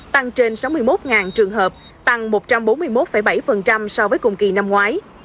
tăng trên sáu mươi một trường hợp tăng một trăm bốn mươi một bảy so với cùng kỳ năm ngoái